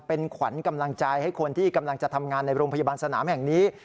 เป็นขวัญกำลังใจให้คนที่กำลังจะทำงานในโรงพยาบาลสนามแห่งนี้